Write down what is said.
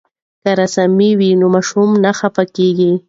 که رسامي وي نو ماشوم نه خفه کیږي.